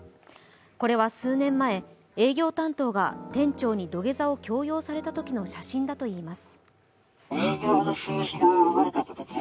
これは数年前、営業担当が店長に土下座を強要されたときの写真だといいます。